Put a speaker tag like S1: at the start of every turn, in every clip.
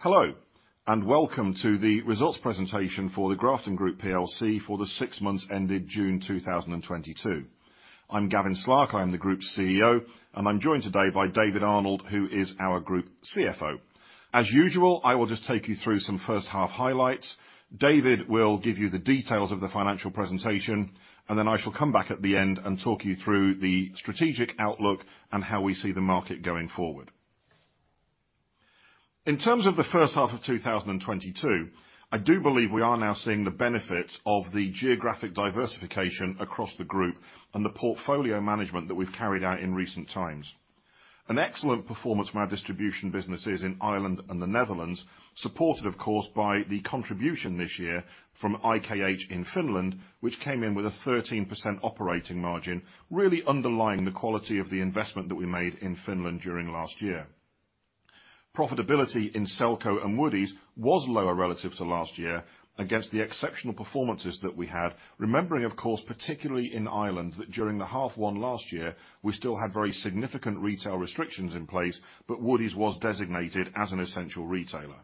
S1: Hello, and welcome to the results presentation for the Grafton Group plc for the six months ended June 2022. I'm Gavin Slark, I'm the Group CEO, and I'm joined today by David Arnold, who is our Group CFO. As usual, I will just take you through some first half highlights. David will give you the details of the financial presentation, and then I shall come back at the end and talk you through the strategic outlook and how we see the market going forward. In terms of the first half of 2022, I do believe we are now seeing the benefits of the geographic diversification across the group and the portfolio management that we've carried out in recent times. An excellent performance from our distribution businesses in Ireland and the Netherlands, supported of course by the contribution this year from IKH in Finland, which came in with a 13% operating margin, really underlying the quality of the investment that we made in Finland during last year. Profitability in Selco and Woodie's was lower relative to last year against the exceptional performances that we had. Remembering, of course, particularly in Ireland, that during H1 last year, we still had very significant retail restrictions in place, but Woodie's was designated as an essential retailer.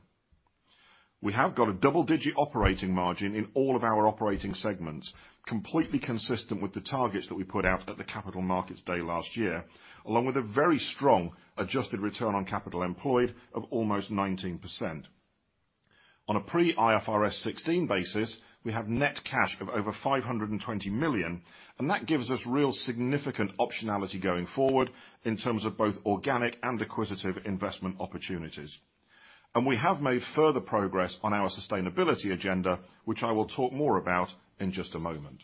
S1: We have got a double-digit operating margin in all of our operating segments, completely consistent with the targets that we put out at the Capital Markets Day last year, along with a very strong adjusted return on capital employed of almost 19%. On a pre-IFRS 16 basis, we have net cash of over 520 million, and that gives us real significant optionality going forward in terms of both organic and acquisitive investment opportunities. We have made further progress on our sustainability agenda, which I will talk more about in just a moment.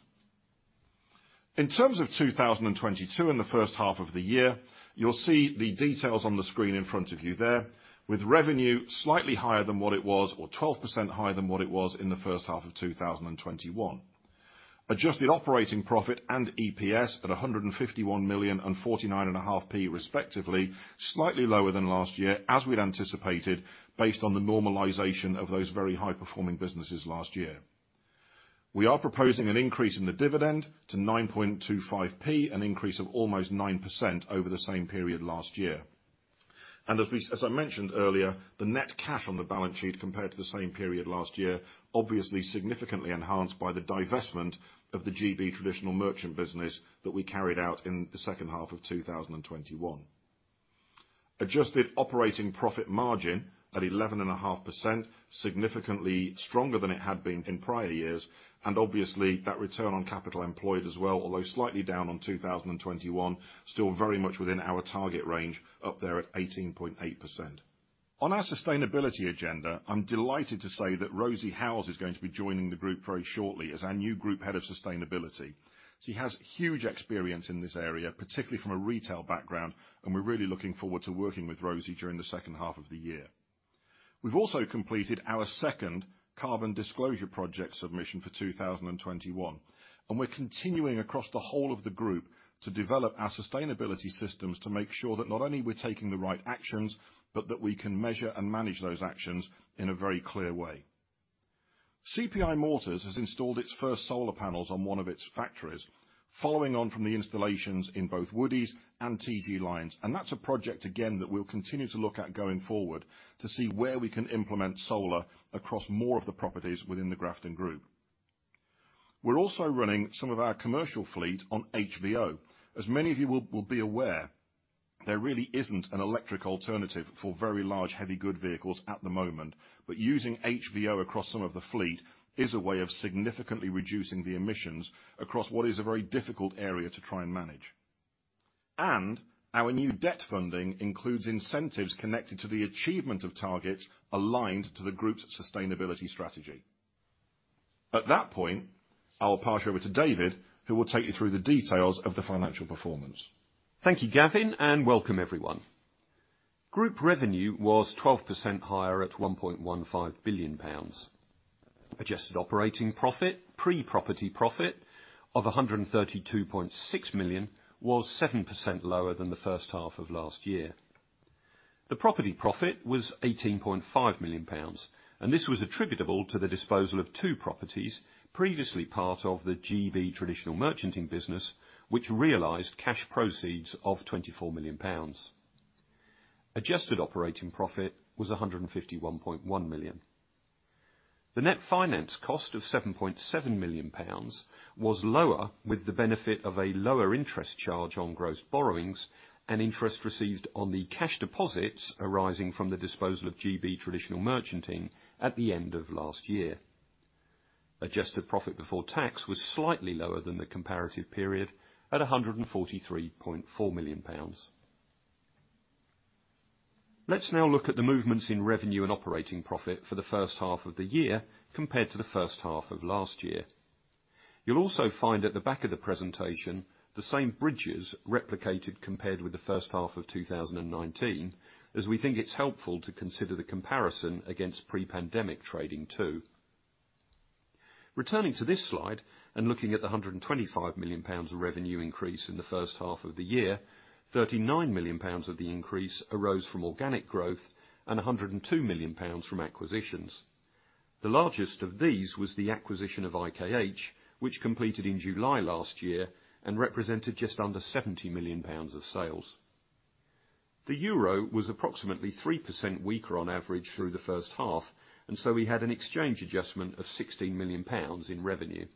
S1: In terms of 2022 in the first half of the year, you'll see the details on the screen in front of you there, with revenue slightly higher than what it was, or 12% higher than what it was in the first half of 2021. Adjusted operating profit and EPS at 151 million and 49.5p respectively, slightly lower than last year, as we'd anticipated based on the normalization of those very high-performing businesses last year. We are proposing an increase in the dividend to 9.25p, an increase of almost 9% over the same period last year. As I mentioned earlier, the net cash on the balance sheet compared to the same period last year, obviously significantly enhanced by the divestment of the GB traditional merchanting business that we carried out in the second half of 2021. Adjusted operating profit margin at 11.5%, significantly stronger than it had been in prior years. Obviously, that return on capital employed as well, although slightly down on 2021, still very much within our target range up there at 18.8%. On our sustainability agenda, I'm delighted to say that Rosie Howes is going to be joining the group very shortly as our new Group Head of Sustainability. She has huge experience in this area, particularly from a retail background, and we're really looking forward to working with Rosie during the second half of the year. We've also completed our second Carbon Disclosure Project submission for 2021, and we're continuing across the whole of the group to develop our sustainability systems to make sure that not only we're taking the right actions, but that we can measure and manage those actions in a very clear way. CPI Mortars has installed its first solar panels on one of its factories, following on from the installations in both Woodie's and TG Lynes. That's a project again that we'll continue to look at going forward to see where we can implement solar across more of the properties within the Grafton Group. We're also running some of our commercial fleet on HVO. As many of you will be aware, there really isn't an electric alternative for very large heavy good vehicles at the moment. Using HVO across some of the fleet is a way of significantly reducing the emissions across what is a very difficult area to try and manage. Our new debt funding includes incentives connected to the achievement of targets aligned to the group's sustainability strategy. At that point, I'll pass you over to David, who will take you through the details of the financial performance.
S2: Thank you, Gavin, and welcome everyone. Group revenue was 12% higher at 1.15 billion pounds. Adjusted operating profit, pre-property profit of 132.6 million was 7% lower than the first half of last year. The property profit was 18.5 million pounds, and this was attributable to the disposal of two properties, previously part of the GB traditional merchanting business, which realized cash proceeds of 24 million pounds. Adjusted operating profit was 151.1 million. The net finance cost of 7.7 million pounds was lower with the benefit of a lower interest charge on gross borrowings and interest received on the cash deposits arising from the disposal of GB traditional merchanting at the end of last year. Adjusted profit before tax was slightly lower than the comparative period at 143.4 million pounds. Let's now look at the movements in revenue and operating profit for the first half of the year compared to the first half of last year. You'll also find at the back of the presentation the same bridges replicated compared with the first half of 2019, as we think it's helpful to consider the comparison against pre-pandemic trading too. Returning to this slide and looking at the 125 million pounds of revenue increase in the first half of the year, 39 million pounds of the increase arose from organic growth and 102 million pounds from acquisitions. The largest of these was the acquisition of IKH, which completed in July last year and represented just under 70 million pounds of sales. The euro was approximately 3% weaker on average through the first half, and so we had an exchange adjustment of 16 million pounds in revenue.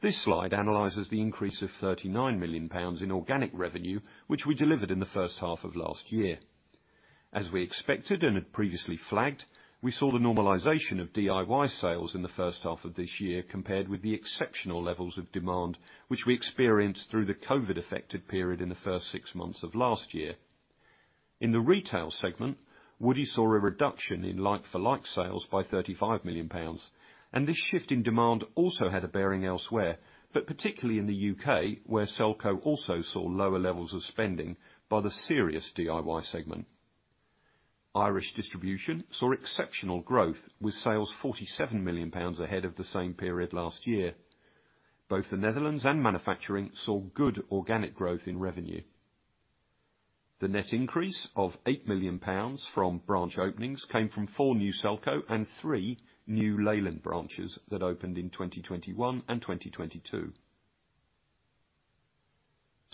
S2: This slide analyzes the increase of 39 million pounds in organic revenue, which we delivered in the first half of last year. As we expected and had previously flagged, we saw the normalization of DIY sales in the first half of this year compared with the exceptional levels of demand which we experienced through the COVID affected period in the first six months of last year. In the retail segment, Woodie's saw a reduction in like-for-like sales by 35 million pounds, and this shift in demand also had a bearing elsewhere, but particularly in the U.K., where Selco also saw lower levels of spending by the serious DIY segment. Irish Distribution saw exceptional growth with sales 47 million pounds ahead of the same period last year. Both the Netherlands and manufacturing saw good organic growth in revenue. The net increase of 8 million pounds from branch openings came from four new Selco and three new Leyland branches that opened in 2021 and 2022.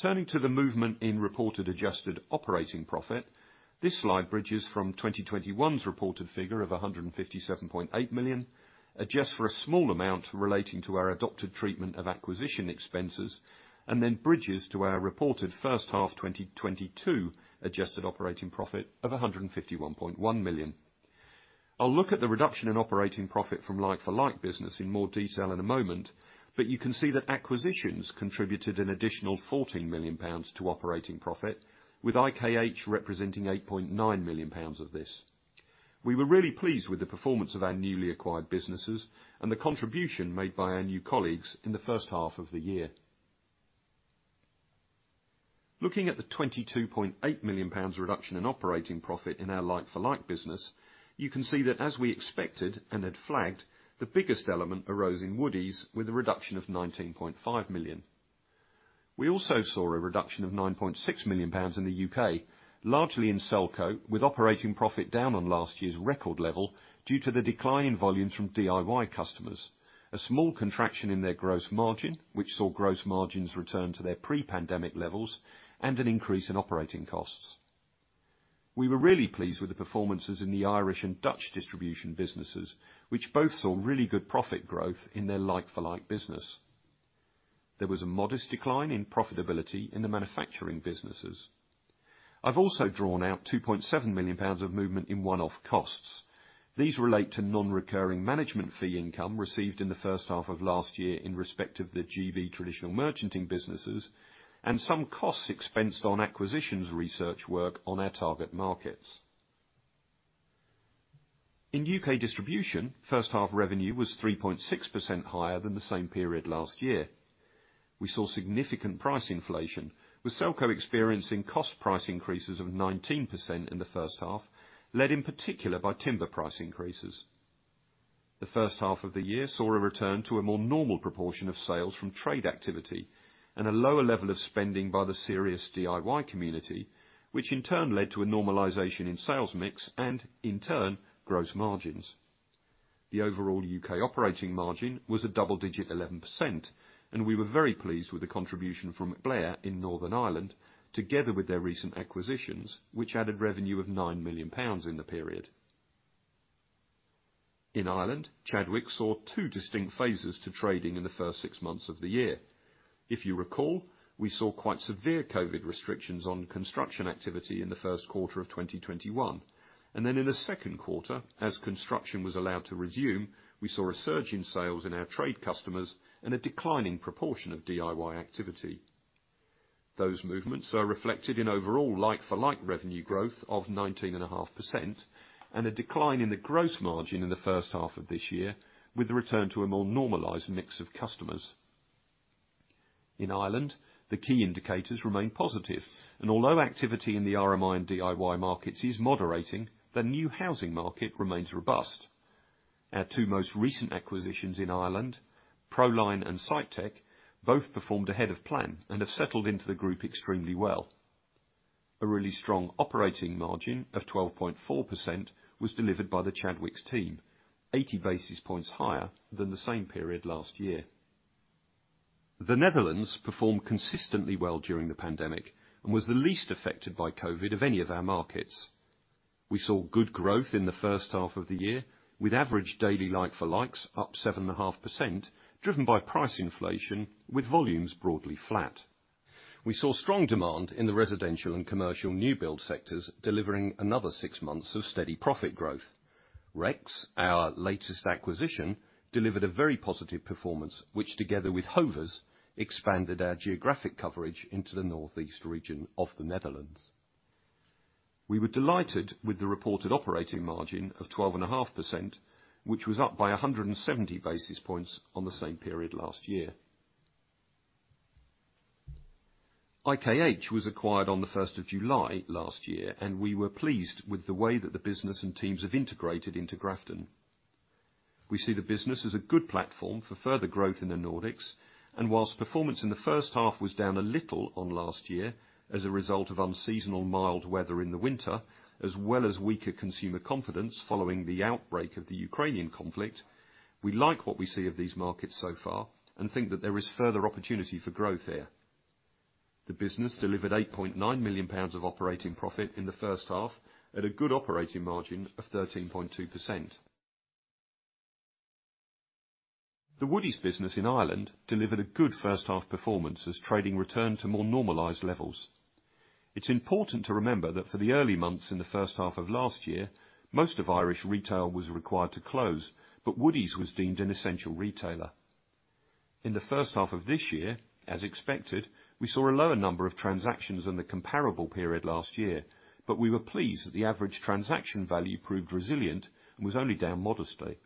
S2: Turning to the movement in reported adjusted operating profit, this slide bridges from 2021's reported figure of 157.8 million, adjusts for a small amount relating to our adopted treatment of acquisition expenses, and then bridges to our reported first half 2022 adjusted operating profit of 151.1 million. I'll look at the reduction in operating profit from like-for-like business in more detail in a moment, but you can see that acquisitions contributed an additional 14 million pounds to operating profit, with IKH representing 8.9 million pounds of this. We were really pleased with the performance of our newly acquired businesses and the contribution made by our new colleagues in the first half of the year. Looking at the GBP 22.8 million reduction in operating profit in our like-for-like business, you can see that as we expected and had flagged, the biggest element arose in Woodie's with a reduction of 19.5 million. We also saw a reduction of 9.6 million pounds in the U.K., largely in Selco, with operating profit down on last year's record level due to the decline in volumes from DIY customers. A small contraction in their gross margin, which saw gross margins return to their pre-pandemic levels and an increase in operating costs. We were really pleased with the performances in the Irish and Dutch distribution businesses, which both saw really good profit growth in their like-for-like business. There was a modest decline in profitability in the manufacturing businesses. I've also drawn out 2.7 million pounds of movement in one-off costs. These relate to non-recurring management fee income received in the first half of last year in respect of the GB traditional merchanting businesses and some costs expensed on acquisitions research work on our target markets. In U.K. distribution, first half revenue was 3.6% higher than the same period last year. We saw significant price inflation, with Selco experiencing cost price increases of 19% in the first half, led in particular by timber price increases. The first half of the year saw a return to a more normal proportion of sales from trade activity and a lower level of spending by the serious DIY community, which in turn led to a normalization in sales mix and in turn, gross margins. The overall U.K. operating margin was a double-digit 11%, and we were very pleased with the contribution from MacBlair in Northern Ireland, together with their recent acquisitions, which added revenue of 9 million pounds in the period. In Ireland, Chadwicks saw two distinct phases to trading in the first six months of the year. If you recall, we saw quite severe COVID restrictions on construction activity in the first quarter of 2021, and then in the second quarter, as construction was allowed to resume, we saw a surge in sales in our trade customers and a decline in proportion of DIY activity. Those movements are reflected in overall like-for-like revenue growth of 19.5% and a decline in the gross margin in the first half of this year with the return to a more normalized mix of customers. In Ireland, the key indicators remain positive, and although activity in the RMI and DIY markets is moderating, the new housing market remains robust. Our two most recent acquisitions in Ireland, Proline and Sitetech, both performed ahead of plan and have settled into the group extremely well. A really strong operating margin of 12.4% was delivered by the Chadwicks team, 80 basis points higher than the same period last year. The Netherlands performed consistently well during the pandemic and was the least affected by COVID of any of our markets. We saw good growth in the first half of the year, with average daily like-for-likes up 7.5%, driven by price inflation with volumes broadly flat. We saw strong demand in the residential and commercial new build sectors, delivering another six months of steady profit growth. Rex, our latest acquisition, delivered a very positive performance, which together with Hofsté', expanded our geographic coverage into the northeast region of the Netherlands. We were delighted with the reported operating margin of 12.5%, which was up by 170 basis points on the same period last year. IKH was acquired on the first of July last year, and we were pleased with the way that the business and teams have integrated into Grafton. We see the business as a good platform for further growth in the Nordics, and whilst performance in the first half was down a little on last year as a result of unseasonal mild weather in the winter, as well as weaker consumer confidence following the outbreak of the Ukrainian conflict, we like what we see of these markets so far and think that there is further opportunity for growth here. The business delivered 8.9 million pounds of operating profit in the first half at a good operating margin of 13.2%. The Woodie's business in Ireland delivered a good first-half performance as trading returned to more normalized levels. It's important to remember that for the early months in the first half of last year, most of Irish retail was required to close, but Woodie's was deemed an essential retailer. In the first half of this year, as expected, we saw a lower number of transactions in the comparable period last year, but we were pleased that the average transaction value proved resilient and was only down modestly.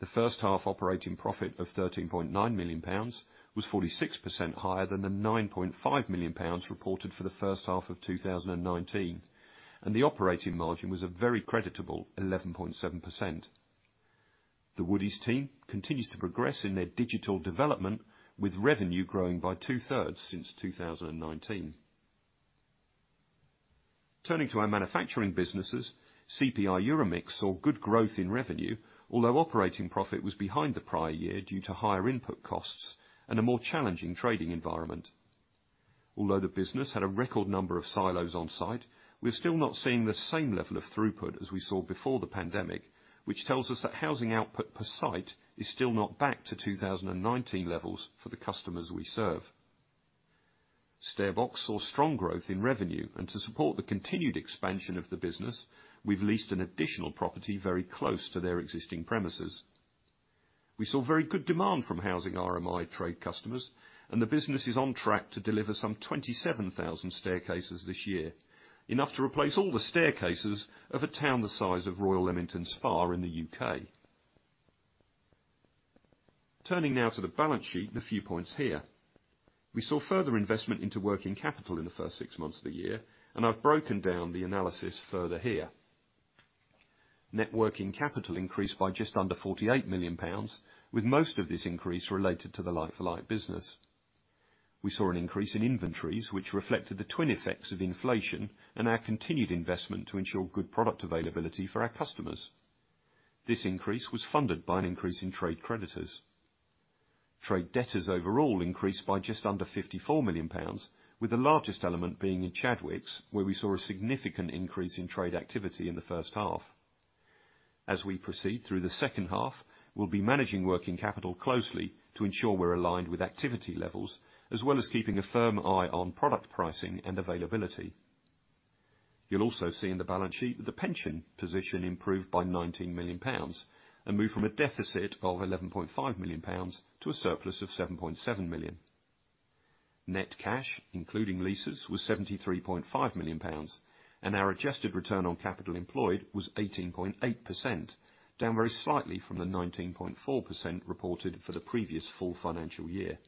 S2: The first-half operating profit of 13.9 million pounds was 46% higher than the 9.5 million pounds reported for the first half of 2019, and the operating margin was a very creditable 11.7%. The Woodie's team continues to progress in their digital development, with revenue growing by 2/3 since 2019. Turning to our manufacturing businesses, CPI Euromix saw good growth in revenue. Although operating profit was behind the prior year due to higher input costs and a more challenging trading environment. Although the business had a record number of silos on site, we're still not seeing the same level of throughput as we saw before the pandemic, which tells us that housing output per site is still not back to 2019 levels for the customers we serve. StairBox saw strong growth in revenue, and to support the continued expansion of the business, we've leased an additional property very close to their existing premises. We saw very good demand from housing RMI trade customers, and the business is on track to deliver some 27,000 staircases this year, enough to replace all the staircases of a town the size of Royal Leamington Spa in the U.K. Turning now to the balance sheet and a few points here. We saw further investment into working capital in the first six months of the year, and I've broken down the analysis further here. Net working capital increased by just under 48 million pounds, with most of this increase related to the like-for-like business. We saw an increase in inventories, which reflected the twin effects of inflation and our continued investment to ensure good product availability for our customers. This increase was funded by an increase in trade creditors. Trade debtors overall increased by just under 54 million pounds, with the largest element being in Chadwicks, where we saw a significant increase in trade activity in the first half. As we proceed through the second half, we'll be managing working capital closely to ensure we're aligned with activity levels as well as keeping a firm eye on product pricing and availability. You'll also see in the balance sheet that the pension position improved by 19 million pounds and moved from a deficit of 11.5 million pounds to a surplus of 7.7 million. Net cash, including leases, was 73.5 million pounds, and our adjusted return on capital employed was 18.8%, down very slightly from the 19.4% reported for the previous full financial year.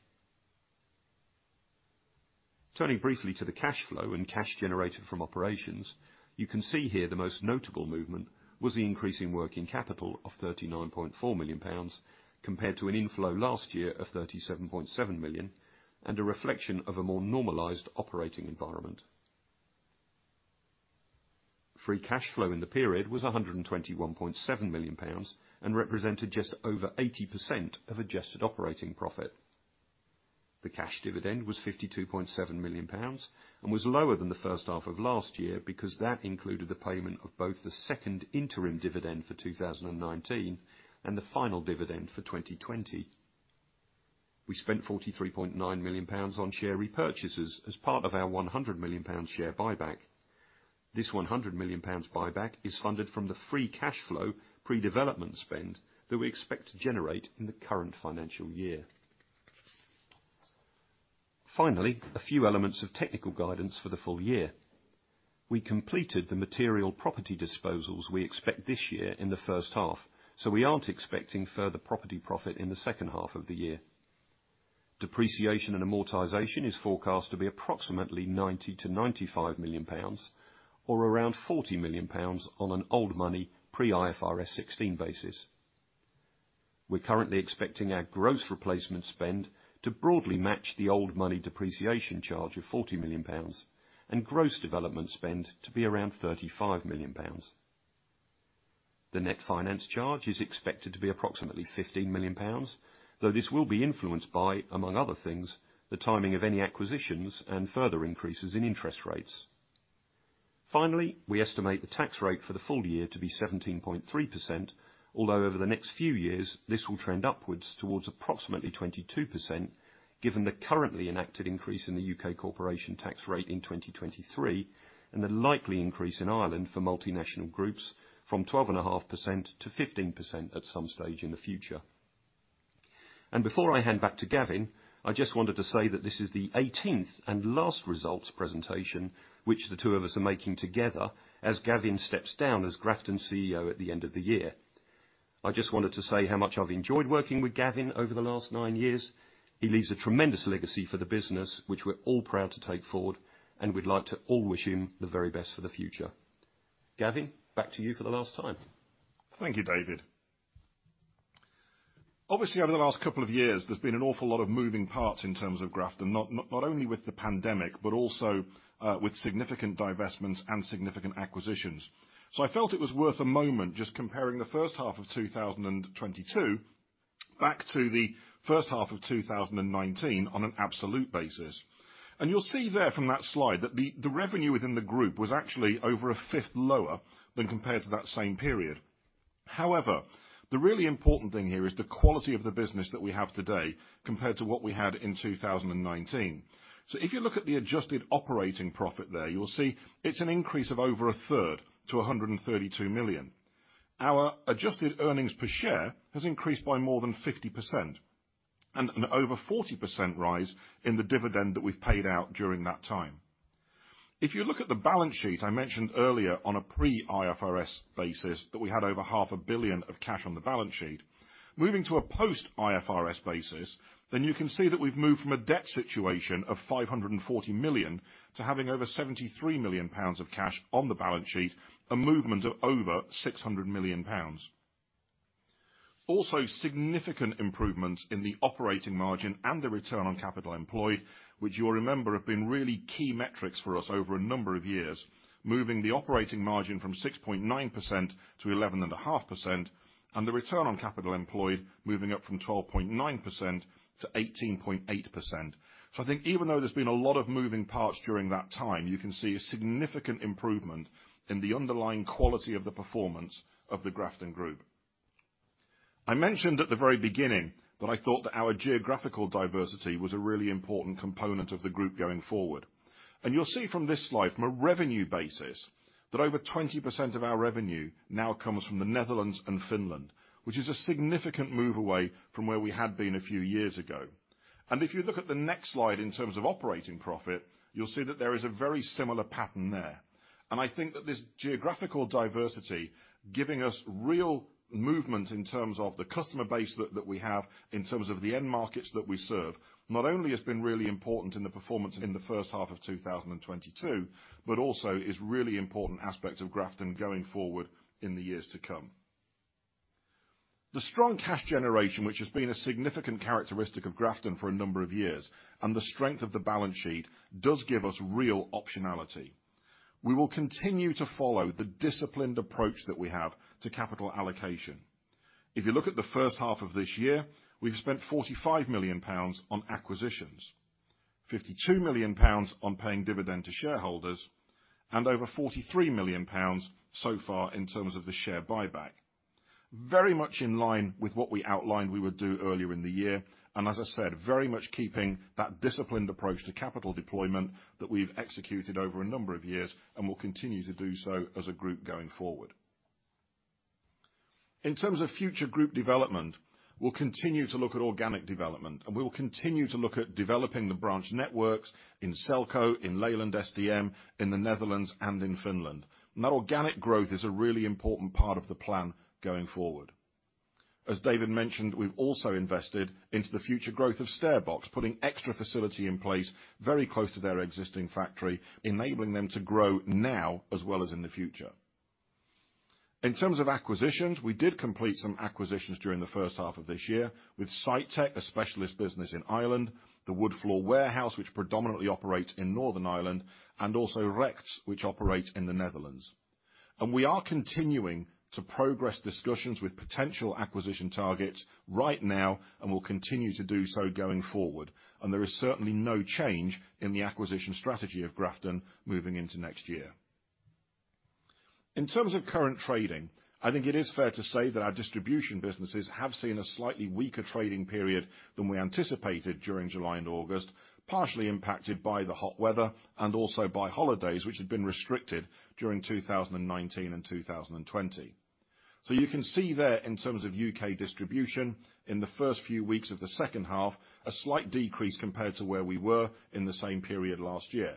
S2: Turning briefly to the cash flow and cash generated from operations. You can see here the most notable movement was the increase in working capital of 39.4 million pounds compared to an inflow last year of 37.7 million and a reflection of a more normalized operating environment. Free cash flow in the period was 121.7 million pounds and represented just over 80% of adjusted operating profit. The cash dividend was 52.7 million pounds and was lower than the first half of last year because that included the payment of both the second interim dividend for 2019 and the final dividend for 2020. We spent GBP 43.9 million on share repurchases as part of our GBP 100 million share buyback. This GBP 100 million buyback is funded from the free cash flow pre-development spend that we expect to generate in the current financial year. Finally, a few elements of technical guidance for the full year. We completed the material property disposals we expect this year in the first half, so we aren't expecting further property profit in the second half of the year. Depreciation and amortization is forecast to be approximately 90 million-95 million pounds or around 40 million pounds on an old money pre-IFRS 16 basis. We're currently expecting our gross replacement spend to broadly match the old money depreciation charge of 40 million pounds and gross development spend to be around 35 million pounds. The net finance charge is expected to be approximately 15 million pounds, though this will be influenced by, among other things, the timing of any acquisitions and further increases in interest rates. Finally, we estimate the tax rate for the full year to be 17.3%, although over the next few years this will trend upwards towards approximately 22%, given the currently enacted increase in the U.K. corporation tax rate in 2023 and the likely increase in Ireland for multinational groups from 12.5% to 15% at some stage in the future. Before I hand back to Gavin, I just wanted to say that this is the 18th and last results presentation, which the two of us are making together as Gavin steps down as Grafton CEO at the end of the year. I just wanted to say how much I've enjoyed working with Gavin over the last nine years. He leaves a tremendous legacy for the business, which we're all proud to take forward, and we'd like to all wish him the very best for the future. Gavin, back to you for the last time.
S1: Thank you, David. Obviously, over the last couple of years, there's been an awful lot of moving parts in terms of Grafton, not only with the pandemic, but also with significant divestments and significant acquisitions. I felt it was worth a moment just comparing the first half of 2022 back to the first half of 2019 on an absolute basis. You'll see there from that slide that the revenue within the group was actually over 1/5 lower than compared to that same period. However, the really important thing here is the quality of the business that we have today compared to what we had in 2019. If you look at the adjusted operating profit there, you will see it's an increase of over 1/3 to 132 million. Our adjusted earnings per share has increased by more than 50%, and an over 40% rise in the dividend that we've paid out during that time. If you look at the balance sheet I mentioned earlier, on a pre-IFRS basis that we had over 500 million of cash on the balance sheet. Moving to a post-IFRS basis, then you can see that we've moved from a debt situation of 540 million to having over 73 million pounds of cash on the balance sheet, a movement of over 600 million pounds. Also, significant improvements in the operating margin and the return on capital employed, which you'll remember have been really key metrics for us over a number of years, moving the operating margin from 6.9% to 11.5%, and the return on capital employed moving up from 12.9% to 18.8%. I think even though there's been a lot of moving parts during that time, you can see a significant improvement in the underlying quality of the performance of the Grafton Group. I mentioned at the very beginning that I thought that our geographical diversity was a really important component of the group going forward. You'll see from this slide, from a revenue basis, that over 20% of our revenue now comes from the Netherlands and Finland, which is a significant move away from where we had been a few years ago. If you look at the next slide in terms of operating profit, you'll see that there is a very similar pattern there. I think that this geographical diversity giving us real movement in terms of the customer base that we have in terms of the end markets that we serve, not only has been really important in the performance in the first half of 2022, but also is really important aspects of Grafton going forward in the years to come. The strong cash generation, which has been a significant characteristic of Grafton for a number of years, and the strength of the balance sheet does give us real optionality. We will continue to follow the disciplined approach that we have to capital allocation. If you look at the first half of this year, we've spent 45 million pounds on acquisitions, 52 million pounds on paying dividend to shareholders, and over 43 million pounds so far in terms of the share buyback. Very much in line with what we outlined we would do earlier in the year, and as I said, very much keeping that disciplined approach to capital deployment that we've executed over a number of years and will continue to do so as a group going forward. In terms of future group development, we'll continue to look at organic development, and we will continue to look at developing the branch networks in Selco, in Leyland SDM, in the Netherlands, and in Finland. That organic growth is a really important part of the plan going forward. As David mentioned, we've also invested into the future growth of StairBox, putting extra facility in place very close to their existing factory, enabling them to grow now as well as in the future. In terms of acquisitions, we did complete some acquisitions during the first half of this year with Sitetech, a specialist business in Ireland, the Wood Floor Warehouse, which predominantly operates in Northern Ireland, and also Rex, which operates in the Netherlands. We are continuing to progress discussions with potential acquisition targets right now and will continue to do so going forward. There is certainly no change in the acquisition strategy of Grafton moving into next year. In terms of current trading, I think it is fair to say that our distribution businesses have seen a slightly weaker trading period than we anticipated during July and August, partially impacted by the hot weather and also by holidays, which had been restricted during 2019 and 2020. You can see there in terms of U.K. distribution in the first few weeks of the second half, a slight decrease compared to where we were in the same period last year.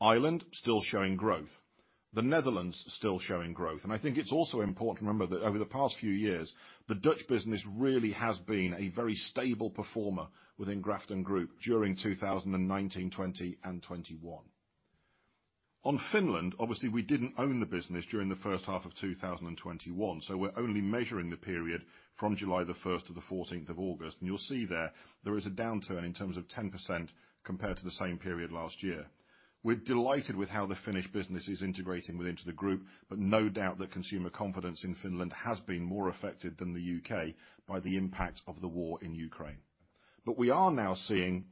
S1: Ireland, still showing growth. The Netherlands, still showing growth. I think it's also important to remember that over the past few years, the Dutch business really has been a very stable performer within Grafton Group during 2019, 2020 and 2021. On Finland, obviously, we didn't own the business during the first half of 2021, so we're only measuring the period from July 1st to August 14th. You'll see there is a downturn in terms of 10% compared to the same period last year. We're delighted with how the Finnish business is integrating with into the group, but no doubt that consumer confidence in Finland has been more affected than the U.K. by the impact of the war in Ukraine. We are now seeing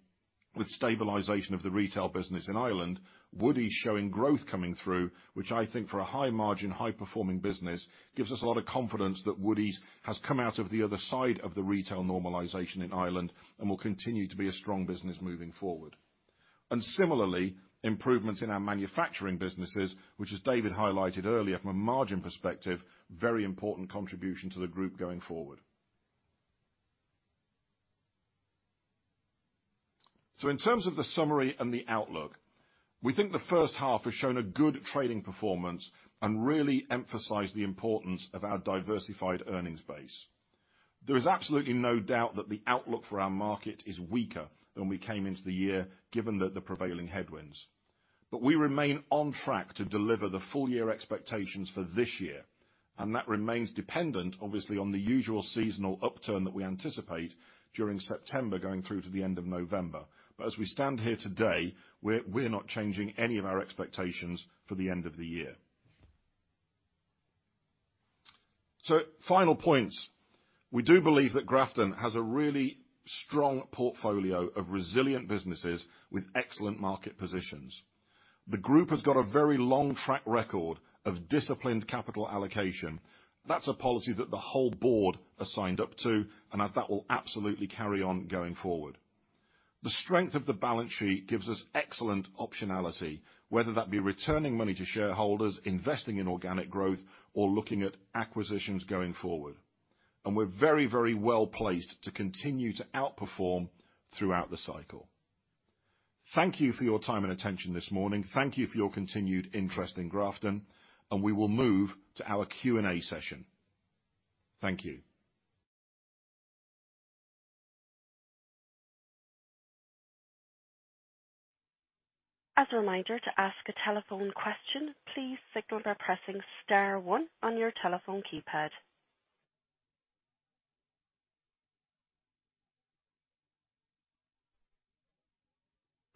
S1: with stabilization of the retail business in Ireland, Woodie's showing growth coming through, which I think for a high margin, high performing business, gives us a lot of confidence that Woodie's has come out of the other side of the retail normalization in Ireland and will continue to be a strong business moving forward. Similarly, improvements in our manufacturing businesses, which as David highlighted earlier from a margin perspective, very important contribution to the group going forward. In terms of the summary and the outlook, we think the first half has shown a good trading performance and really emphasized the importance of our diversified earnings base. There is absolutely no doubt that the outlook for our market is weaker than we came into the year, given the prevailing headwinds. We remain on track to deliver the full year expectations for this year, and that remains dependent, obviously, on the usual seasonal upturn that we anticipate during September, going through to the end of November. As we stand here today, we're not changing any of our expectations for the end of the year. Final points. We do believe that Grafton has a really strong portfolio of resilient businesses with excellent market positions. The group has got a very long track record of disciplined capital allocation. That's a policy that the whole board has signed up to, and that will absolutely carry on going forward. The strength of the balance sheet gives us excellent optionality, whether that be returning money to shareholders, investing in organic growth, or looking at acquisitions going forward. We're very, very well-placed to continue to outperform throughout the cycle.
S2: Thank you for your time and attention this morning. Thank you for your continued interest in Grafton, and we will move to our Q&A session. Thank you.
S3: As a reminder, to ask a telephone question, please signal by pressing star one on your telephone keypad.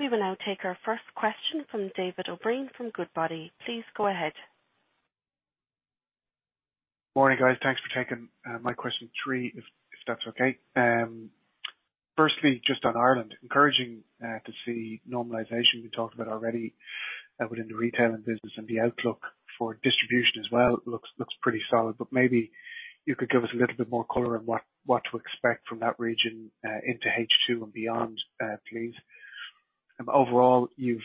S3: We will now take our first question from David O'Brien from Goodbody. Please go ahead.
S4: Morning, guys. Thanks for taking my question three, if that's okay. Firstly, just on Ireland, encouraging to see normalization. We talked about already within the retail and business and the outlook for distribution as well looks pretty solid. But maybe you could give us a little bit more color on what to expect from that region into H2 and beyond, please. Overall, you've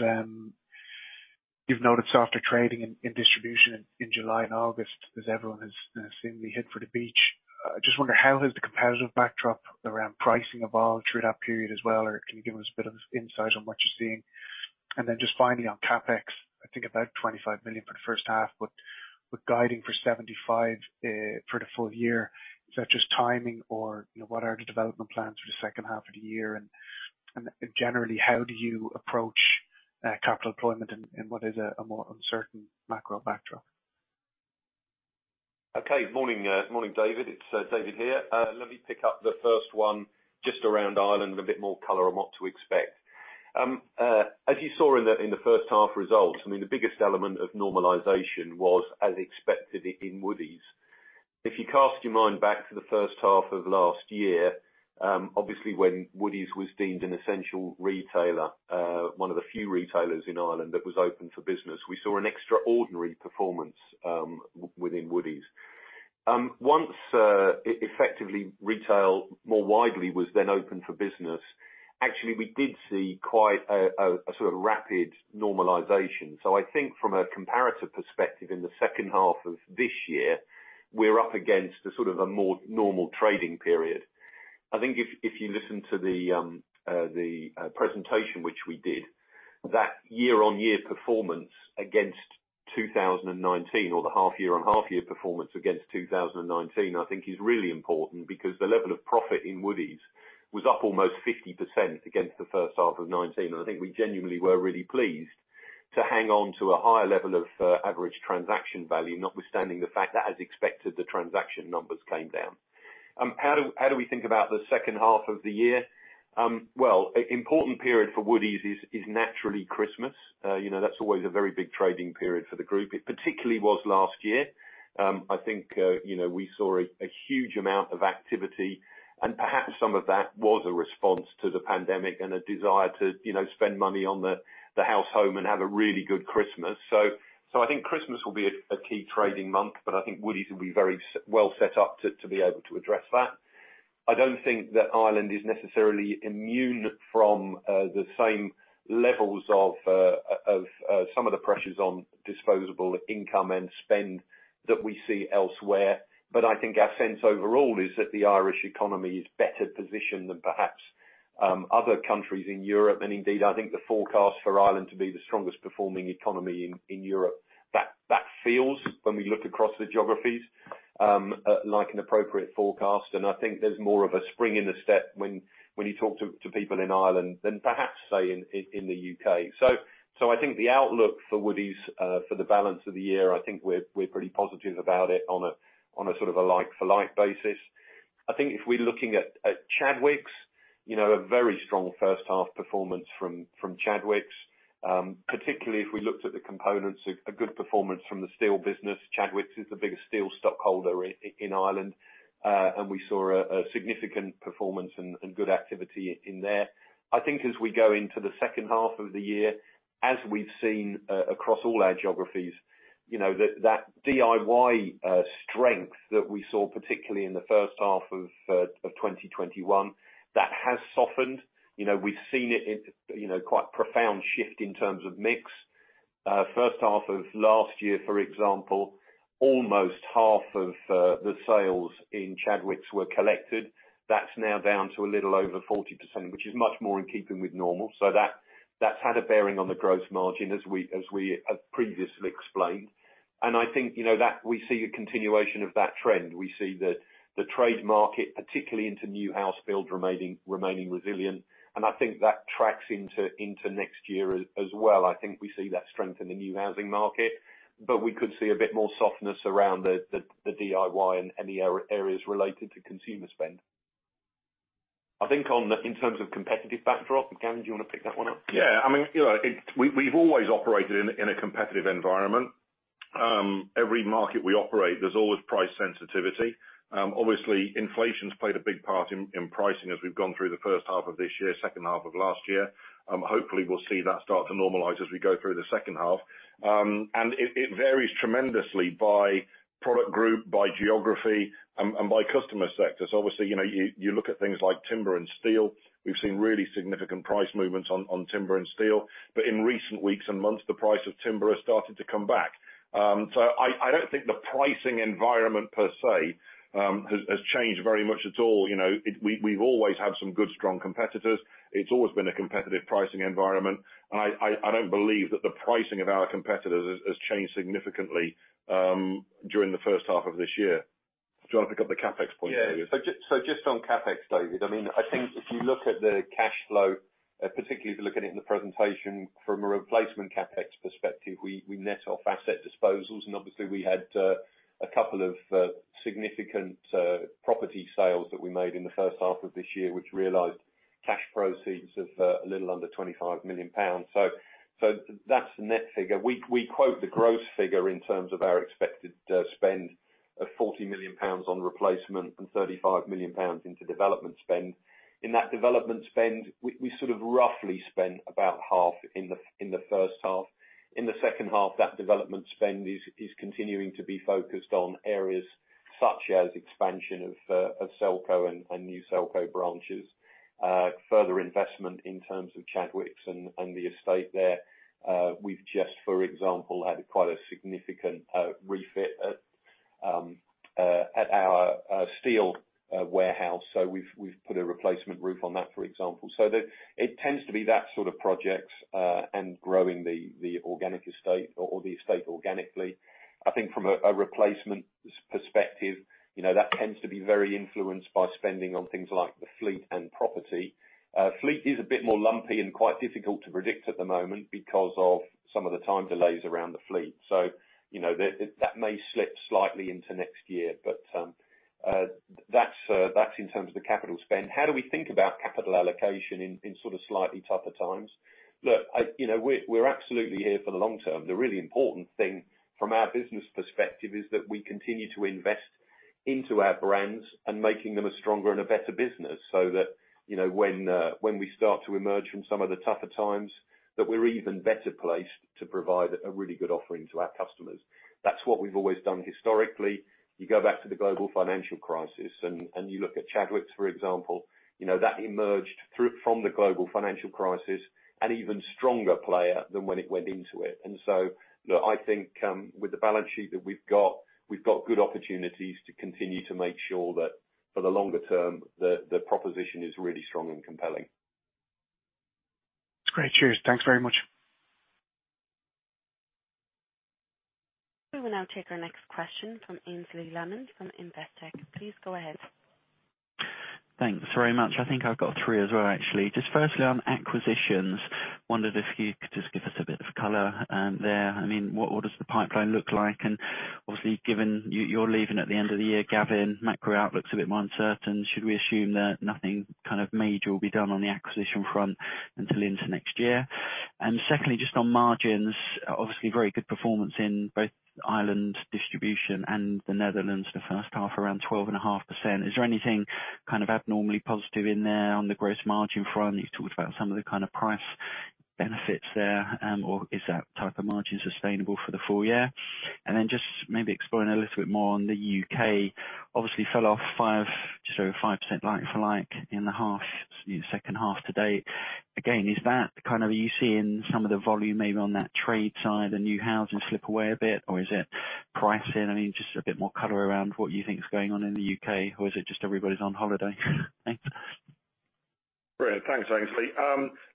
S4: noted softer trading in distribution in July and August, as everyone has seemingly hit for the beach. I just wonder how has the competitive backdrop around pricing evolved through that period as well? Or can you give us a bit of insight on what you're seeing? Then just finally on CapEx, I think about 25 million for the first half, but we're guiding for 75 for the full year. Is that just timing or, you know, what are the development plans for the second half of the year? Generally, how do you approach capital deployment in what is a more uncertain macro backdrop?
S2: Okay. Morning, David. It's David here. Let me pick up the first one just around Ireland and a bit more color on what to expect. As you saw in the first half results, I mean, the biggest element of normalization was as expected in Woodie's. If you cast your mind back to the first half of last year, obviously, when Woodie's was deemed an essential retailer, one of the few retailers in Ireland that was open for business, we saw an extraordinary performance within Woodie's. Once effectively retail more widely was then open for business, actually, we did see quite a sort of rapid normalization. I think from a comparative perspective, in the second half of this year, we're up against a sort of a more normal trading period. I think if you listen to the presentation which we did, that year-on-year performance against 2019 or the half year on half year performance against 2019, I think is really important because the level of profit in Woodie's was up almost 50% against the first half of 2019. I think we genuinely were really pleased to hang on to a higher level of average transaction value, notwithstanding the fact that as expected, the transaction numbers came down. How do we think about the second half of the year? Well, important period for Woodie's is naturally Christmas. You know, that's always a very big trading period for the group. It particularly was last year. I think you know, we saw a huge amount of activity and perhaps some of that was a response to the pandemic and a desire to you know, spend money on the house home and have a really good Christmas. I think Christmas will be a key trading month, but I think Woodie's will be very well set up to be able to address that. I don't think that Ireland is necessarily immune from the same levels of some of the pressures on disposable income and spend that we see elsewhere. I think our sense overall is that the Irish economy is better positioned than perhaps other countries in Europe. Indeed, I think the forecast for Ireland to be the strongest performing economy in Europe, that feels when we look across the geographies, like an appropriate forecast. I think there's more of a spring in the step when you talk to people in Ireland than perhaps, say, in the U.K. I think the outlook for Woodie's, for the balance of the year, I think we're pretty positive about it on a sort of like for like basis. I think if we're looking at Chadwicks, you know, a very strong first half performance from Chadwicks, particularly if we looked at the components of a good performance from the steel business. Chadwicks is the biggest steel stockholder in Ireland, and we saw a significant performance and good activity in there. I think as we go into the second half of the year, as we've seen across all our geographies, you know, that DIY strength that we saw, particularly in the first half of 2021, that has softened. You know, we've seen it in quite profound shift in terms of mix. First half of last year, for example, almost half of the sales in Chadwicks were collected. That's now down to a little over 40%, which is much more in keeping with normal. So that's had a bearing on the gross margin as we have previously explained. I think, you know, that we see a continuation of that trend. We see the trade market, particularly into new house build remaining resilient. I think that tracks into next year as well. I think we see that strength in the new housing market, but we could see a bit more softness around the DIY and areas related to consumer spend. I think in terms of competitive backdrop, Gavin, do you wanna pick that one up?
S1: Yeah. I mean, you know, we've always operated in a competitive environment. Every market we operate, there's always price sensitivity. Obviously inflation's played a big part in pricing as we've gone through the first half of this year, second half of last year. Hopefully we'll see that start to normalize as we go through the second half. It varies tremendously by product group, by geography, and by customer sectors. Obviously, you know, you look at things like timber and steel. We've seen really significant price movements on timber and steel. In recent weeks and months, the price of timber has started to come back. I don't think the pricing environment per se has changed very much at all. You know, we've always had some good, strong competitors. It's always been a competitive pricing environment. I don't believe that the pricing of our competitors has changed significantly during the first half of this year. Do you wanna pick up the CapEx point, David?
S2: Yeah. Just on CapEx, David. I mean, I think if you look at the cash flow, particularly if you look at it in the presentation from a replacement CapEx perspective, we net off asset disposals, and obviously we had a couple of significant property sales that we made in the first half of this year, which realized cash proceeds of a little under 25 million pounds. So that's the net figure. We quote the gross figure in terms of our expected spend of 40 million pounds on replacement and 35 million pounds into development spend. In that development spend, we sort of roughly spent about half in the first half. In the second half, that development spend is continuing to be focused on areas such as expansion of Selco and new Selco branches, further investment in terms of Chadwicks and the estate there. We've just, for example, had quite a significant refit at our steel warehouse, so we've put a replacement roof on that, for example. It tends to be that sort of projects and growing the organic estate or the estate organically. I think from a replacement perspective, you know, that tends to be very influenced by spending on things like the fleet and property. Fleet is a bit more lumpy and quite difficult to predict at the moment because of some of the time delays around the fleet. You know, that may slip slightly into next year. That's in terms of the capital spend. How do we think about capital allocation in sort of slightly tougher times? Look, you know, we're absolutely here for the long term. The really important thing from our business perspective is that we continue to invest into our brands and making them a stronger and a better business so that, you know, when we start to emerge from some of the tougher times, that we're even better placed to provide a really good offering to our customers. That's what we've always done historically. You go back to the global financial crisis and you look at Chadwicks, for example, you know, that emerged from the global financial crisis, an even stronger player than when it went into it. Look, I think, with the balance sheet that we've got, we've got good opportunities to continue to make sure that for the longer term, the proposition is really strong and compelling.
S4: That's great. Cheers. Thanks very much.
S3: We will now take our next question from Aynsley Maymon from Investec. Please go ahead.
S5: Thanks very much. I think I've got three as well, actually. Just firstly, on acquisitions, wondered if you could just give us a bit of color there. I mean, what does the pipeline look like? And obviously, given you're leaving at the end of the year, Gavin, macro outlook's a bit more uncertain. Should we assume that nothing kind of major will be done on the acquisition front until into next year? And secondly, just on margins, obviously very good performance in both Ireland distribution and the Netherlands the first half, around 12.5%. Is there anything kind of abnormally positive in there on the gross margin front? You've talked about some of the kind of price benefits there, or is that type of margin sustainable for the full year? And then just maybe exploring a little bit more on the U.K. Obviously fell off 5%, so 5% like-for-like in the half, in the second half to date. Again, is that kind of what you're seeing some of the volume maybe on that trade side and new housing slip away a bit? Or is it pricing? I mean, just a bit more color around what you think is going on in the U.K. Or is it just everybody's on holiday? Thanks.
S1: Brilliant. Thanks, Aynsley.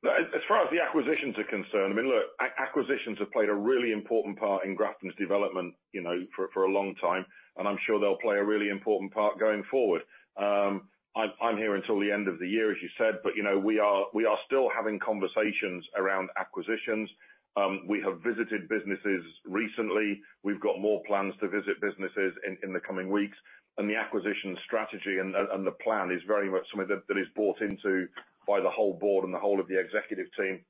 S1: As far as the acquisitions are concerned, I mean, look, acquisitions have played a really important part in Grafton's development, you know, for a long time, and I'm sure they'll play a really important part going forward. I'm here until the end of the year, as you said, but, you know, we are still having conversations around acquisitions. We have visited businesses recently. We've got more plans to visit businesses in the coming weeks and the acquisition strategy and the plan is very much something that is bought into by the whole board and the whole of the executive team,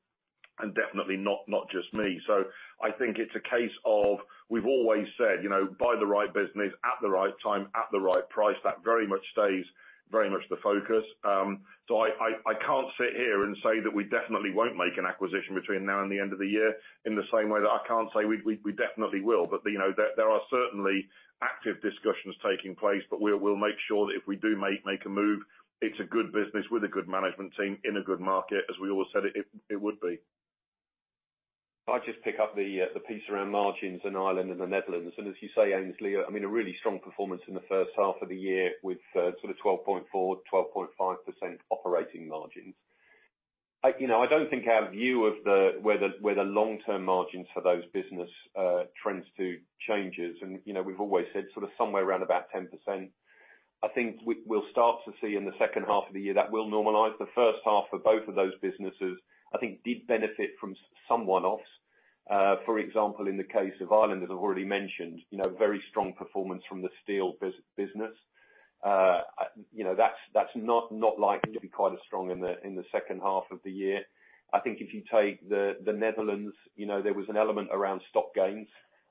S1: and definitely not just me. I think it's a case of we've always said, you know, buy the right business at the right time, at the right price. That very much stays very much the focus. I can't sit here and say that we definitely won't make an acquisition between now and the end of the year, in the same way that I can't say we definitely will. You know, there are certainly active discussions taking place, but we'll make sure that if we do make a move, it's a good business with a good management team in a good market, as we always said it would be.
S2: If I could just pick up the piece around margins in Ireland and the Netherlands. As you say, Aynsley, I mean, a really strong performance in the first half of the year with sort of 12.4%, 12.5% operating margins. I don't think our view of where the long-term margins for those business tends to change and, you know, we've always said sort of somewhere around about 10%. I think we'll start to see in the second half of the year that will normalize. The first half of both of those businesses, I think, did benefit from some one-offs. For example, in the case of Ireland, as I've already mentioned, you know, very strong performance from the steel business. You know, that's not likely to be quite as strong in the second half of the year. I think if you take the Netherlands, you know, there was an element around stock gains.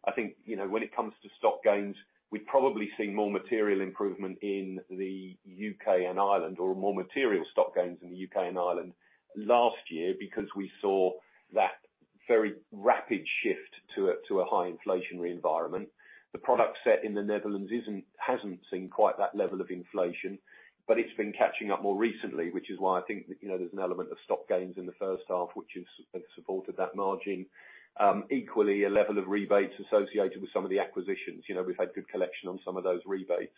S2: I think, you know, when it comes to stock gains, we probably see more material improvement in the U.K. and Ireland or more material stock gains in the U.K. and Ireland last year because we saw that very rapid shift to a high inflationary environment. The product set in the Netherlands hasn't seen quite that level of inflation, but it's been catching up more recently, which is why I think that, you know, there's an element of stock gains in the first half, which has supported that margin. Equally a level of rebates associated with some of the acquisitions. You know, we've had good collection on some of those rebates.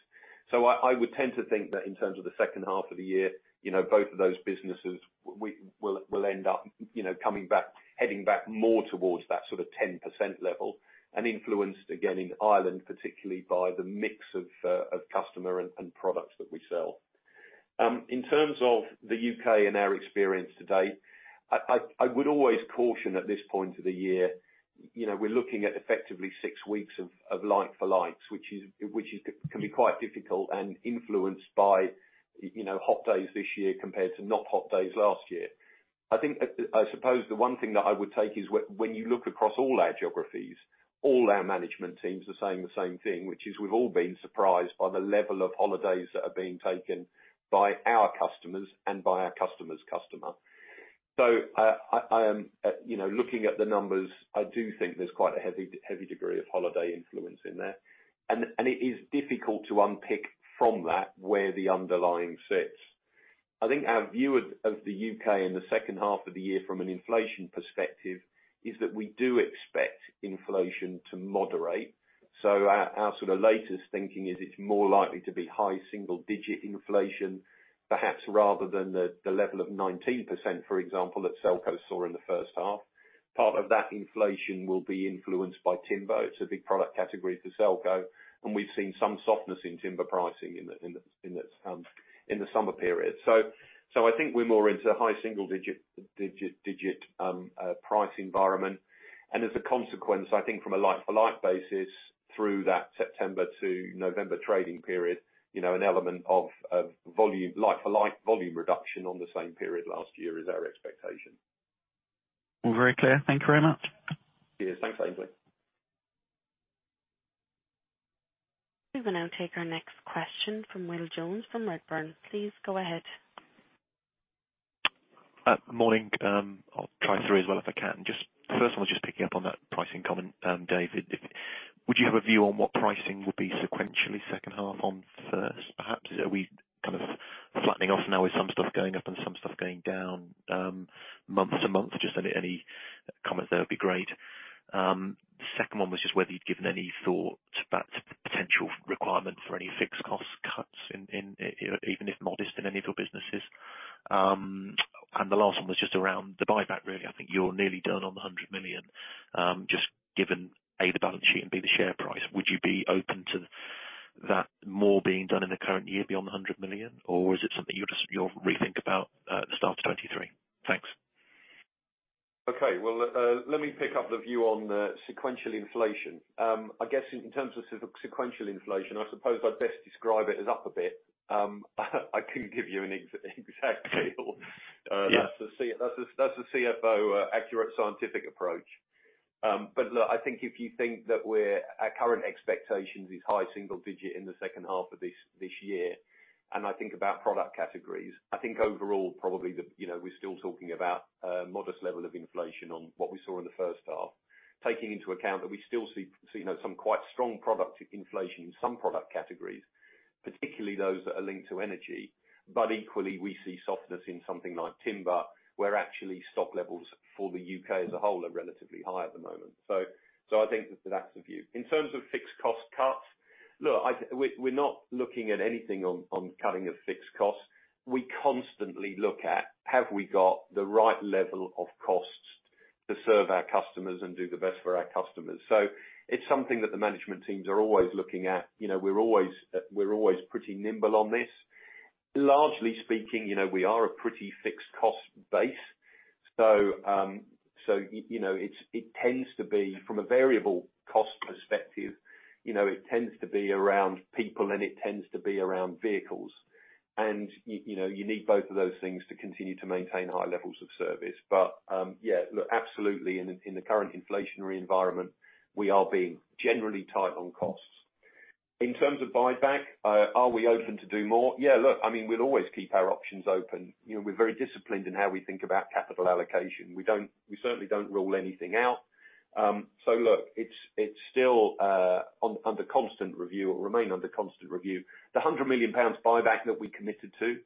S2: I would tend to think that in terms of the second half of the year, you know, both of those businesses will end up, you know, coming back, heading back more towards that sort of 10% level and influenced again in Ireland, particularly by the mix of customer and products that we sell. In terms of the U.K. and our experience to date, I would always caution at this point of the year, you know, we're looking at effectively six weeks of like for likes, which can be quite difficult and influenced by, you know, hot days this year compared to not hot days last year. I think, I suppose the one thing that I would take is when you look across all our geographies, all our management teams are saying the same thing, which is we've all been surprised by the level of holidays that are being taken by our customers and by our customer's customer. You know, looking at the numbers, I do think there's quite a heavy degree of holiday influence in there. It is difficult to unpick from that where the underlying sits. I think our view of the U.K. in the second half of the year from an inflation perspective is that we do expect inflation to moderate. Our sort of latest thinking is it's more likely to be high single digit inflation, perhaps rather than the level of 19%, for example, that Selco saw in the first half. Part of that inflation will be influenced by timber. It's a big product category for Selco, and we've seen some softness in timber pricing in the summer period. I think we're more into high single digit price environment. As a consequence, I think from a like for like basis through that September to November trading period, you know, an element of volume like for like volume reduction on the same period last year is our expectation.
S5: All very clear. Thank you very much.
S2: Cheers. Thanks, Aynsley.
S3: We will now take our next question from Will Jones from Redburn. Please go ahead.
S6: Morning. I'll try three as well if I can. Just first one, just picking up on that pricing comment, David. Would you have a view on what pricing will be sequentially second half on first perhaps? Are we kind of flattening off now with some stuff going up and some stuff going down, month to month? Just any comments there would be great. Second one was just whether you'd given any thought about potential requirement for any fixed cost cuts in, even if modest in any of your businesses. The last one was just around the buyback really. I think you're nearly done on the 100 million, just given A, the balance sheet and B, the share price. Would you be open to that more being done in the current year beyond the 100 million? Is it something you'll rethink about at the start of 2023? Thanks.
S2: Okay. Well, let me pick up the view on sequential inflation. I guess in terms of sequential inflation, I suppose I'd best describe it as up a bit. I couldn't give you an exact table.
S6: Yeah.
S2: That's the CFO's accurate scientific approach. Look, I think if you think that our current expectations are high single digit in the second half of this year, and I think about product categories, I think overall probably, you know, we're still talking about a modest level of inflation on what we saw in the first half, taking into account that we still see, you know, some quite strong product inflation in some product categories, particularly those that are linked to energy. Equally, we see softness in something like timber, where actually stock levels for the U.K. as a whole are relatively high at the moment. I think that that's the view. In terms of fixed cost cuts, look, we're not looking at anything on cutting our fixed costs. We constantly look at have we got the right level of costs to serve our customers and do the best for our customers? It's something that the management teams are always looking at. You know, we're always pretty nimble on this. Largely speaking, you know, we are a pretty fixed cost base. You know, it tends to be from a variable cost perspective, you know, it tends to be around people and it tends to be around vehicles. You know, you need both of those things to continue to maintain high levels of service. Yeah, look, absolutely in the current inflationary environment, we are being generally tight on costs. In terms of buyback, are we open to do more? Yeah, look, I mean, we'll always keep our options open. You know, we're very disciplined in how we think about capital allocation. We certainly don't rule anything out. So look, it's still under constant review. The 100 million pounds buyback that we committed to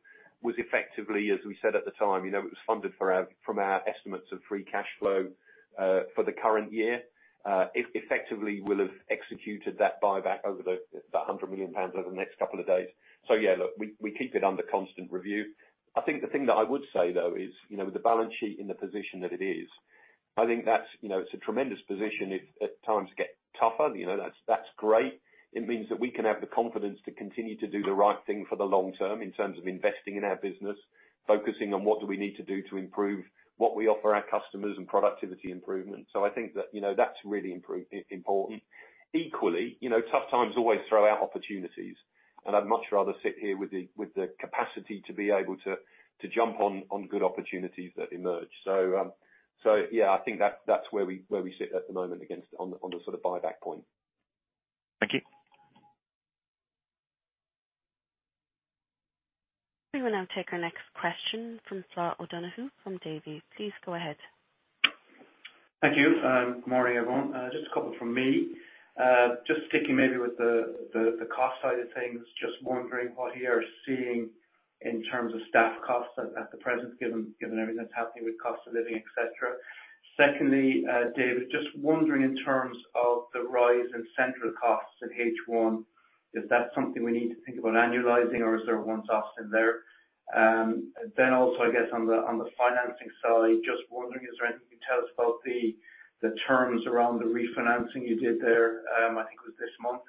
S2: was effectively, as we said at the time, you know, it was funded from our estimates of free cash flow for the current year. Effectively, we'll have executed that buyback over the 100 million pounds over the next couple of days. So yeah, look, we keep it under constant review. I think the thing that I would say, though, is, you know, with the balance sheet in the position that it is. I think that's, you know, it's a tremendous position if times get tougher, you know, that's great. It means that we can have the confidence to continue to do the right thing for the long term in terms of investing in our business, focusing on what do we need to do to improve what we offer our customers, and productivity improvement. I think that, you know, that's really important. Equally, you know, tough times always throw out opportunities, and I'd much rather sit here with the capacity to be able to jump on good opportunities that emerge. Yeah, I think that's where we sit at the moment against on the sort of buyback point.
S6: Thank you.
S3: We will now take our next question from Flor O'Donoghue from Davy. Please go ahead.
S7: Thank you. Good morning, everyone. Just a couple from me. Just sticking maybe with the cost side of things, just wondering what you are seeing in terms of staff costs at the present, given everything that's happening with cost of living, et cetera. Secondly, David, just wondering in terms of the rise in central costs in H1, is that something we need to think about annualizing or is there a one-off in there? Then also I guess on the financing side, just wondering, is there anything you can tell us about the terms around the refinancing you did there, I think it was this month.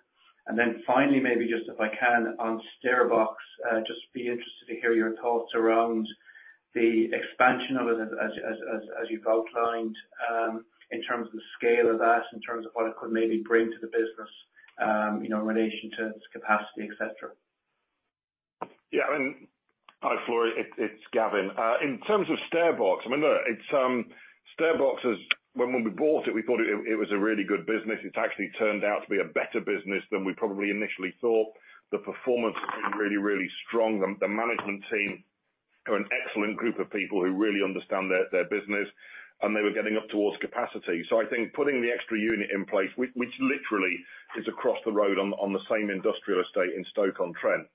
S7: Maybe just if I can on StairBox, just be interested to hear your thoughts around the expansion of it as you've outlined, in terms of the scale of that, in terms of what it could maybe bring to the business, you know, in relation to its capacity, et cetera?
S1: Yeah. I mean, Hi, Flor O'Donoghue, it's Gavin Slark. In terms of StairBox, I mean, look, it's StairBox. When we bought it, we thought it was a really good business. It's actually turned out to be a better business than we probably initially thought. The performance has been really strong. The management team are an excellent group of people who really understand their business, and they were getting up towards capacity. I think putting the extra unit in place, which literally is across the road on the same industrial estate in Stoke-on-Trent,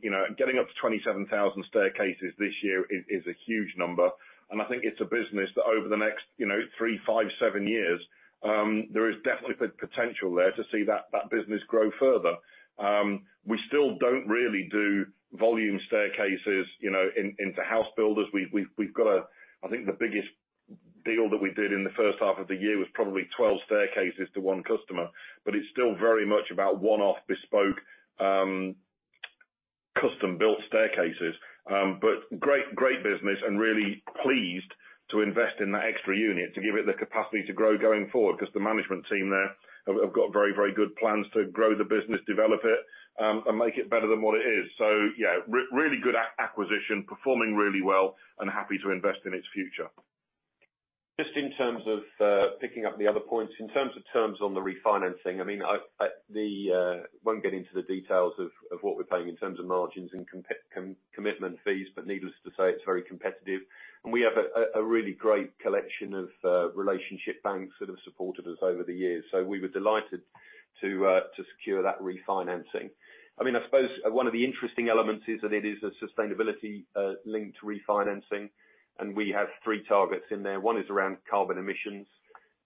S1: you know, getting up to 27,000 staircases this year is a huge number. I think it's a business that over the next, you know, 3, 5, 7 years, there is definitely potential there to see that business grow further. We still don't really do volume staircases, you know, into house builders. We've got, I think, the biggest deal that we did in the first half of the year was probably 12 staircases to one customer, but it's still very much about one-off bespoke, custom-built staircases. Great business and really pleased to invest in that extra unit to give it the capacity to grow going forward because the management team there have got very good plans to grow the business, develop it, and make it better than what it is. Yeah, really good acquisition, performing really well, and happy to invest in its future.
S2: Just in terms of picking up the other points, in terms of terms on the refinancing, I mean, I won't get into the details of what we're paying in terms of margins and commitment fees, but needless to say, it's very competitive. We have a really great collection of relationship banks that have supported us over the years. We were delighted to secure that refinancing. I mean, I suppose one of the interesting elements is that it is a sustainability-linked refinancing, and we have three targets in there. One is around carbon emissions.